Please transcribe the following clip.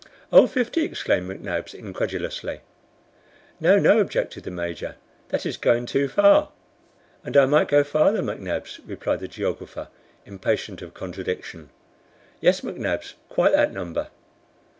"Oh, fifty!" exclaimed McNabbs incredulously. "No, no," objected the Major; "that is going too far." "And I might go farther, McNabbs," replied the geographer, impatient of contradiction. "Yes, McNabbs, quite that number."